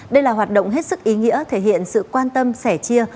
đây là hoạt động hết sức ý nghĩa thể hiện sự quan tâm sẻ chia